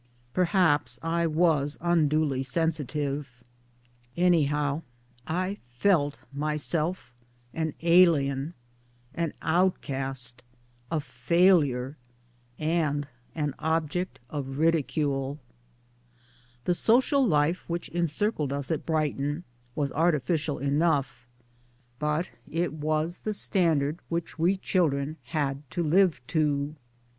Perhaps I was unduly sensitive ; anyhow I felt MY DAYS AND DREAMS myself an alien, an outcast, a failure, and an object of ridicule. The social life which encircled us at Brighton was artificial enough ; but it was the standard which we children had to live to.